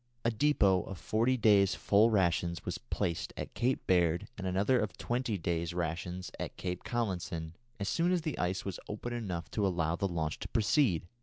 A depôt of forty days' full rations was placed at Cape Baird and another of twenty days' rations at Cape Collinson, as soon as the ice was open enough to allow the launch to proceed.